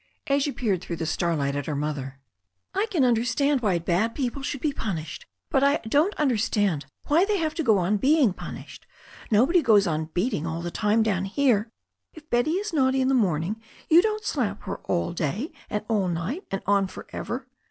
Asia peered through the starlight at her mother, "I can understand why bad people should be punished, but I don't understand why they have to go on being punished. Nobody goes on beating all the time down here. If Betty is naughty in the morning, you don't slap her all day and all night and on for ever.